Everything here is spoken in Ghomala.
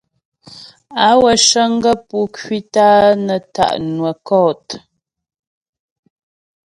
Á wə cə̀ŋ gaə̂ pú ŋkwítə a nə tá' nwə́ kɔ̂t.